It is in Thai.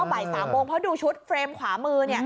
บ่าย๓โมงเพราะดูชุดเฟรมขวามือ